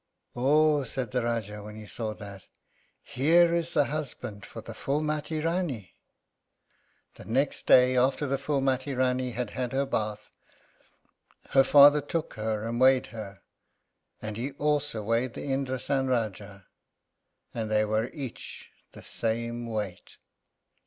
"Oh," said the Rájá, when he saw that, "here is the husband for the Phúlmati Rání!" The next day, after the Phúlmati Rání had had her bath, her father took her and weighed her, and he also weighed the Indrásan Rájá. And they were each the same weight.